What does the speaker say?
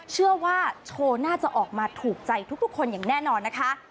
เชื่อว่าโชว์น่าจะออกมาถูกใจทุกคนอย่างแน่นอนนะคะ